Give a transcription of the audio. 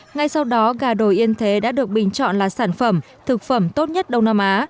ngay sau đó gà đồi yên thế đã được bình chọn là sản phẩm thực phẩm tốt nhất đông nam á